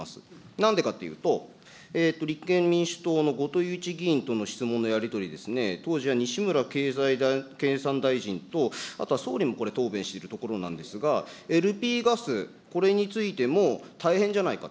なんでかというと、立憲民主党の後藤祐一議員との質問のやり取りですね、当時は西村経産大臣と、あとは総理もこれ、答弁しているところなんですが、ＬＰガス、これについても、大変じゃないか。